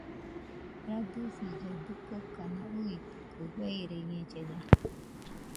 Radosillaɨ dɨkokana uitɨkue, feireñellena.